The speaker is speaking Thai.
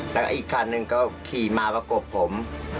แล้วก็อีกคันหนึ่งก็ขี่มาประกบผม